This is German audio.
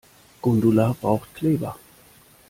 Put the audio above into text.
Gundula braucht Kleber.